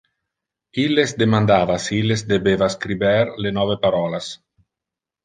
Illes demandava si illes debeva scriber le nove parolas.